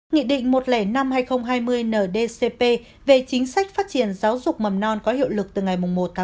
nghị định một trăm linh năm hai nghìn hai mươi ndcp về chính sách phát triển giáo dục mầm non có hiệu lực từ ngày một một mươi một hai nghìn hai mươi